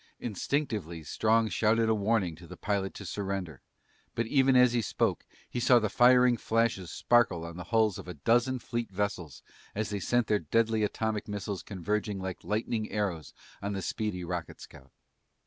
Instinctively Strong shouted a warning to the pilot to surrender, but even as he spoke, he saw the firing flashes sparkle on the hulls of a dozen fleet vessels as they sent their deadly atomic missiles converging like lightning arrows on the speedy rocket scout.